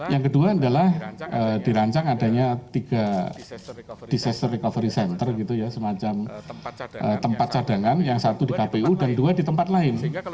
yang kedua adalah dirancang adanya tiga disaster recovery center gitu ya semacam tempat cadangan yang satu di kpu dan dua di tempat lain